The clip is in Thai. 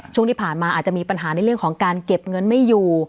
ช่วงที่ผ่านมาอาจจะมีปัญหาในเรื่องของการเก็บเงินไม่อยู่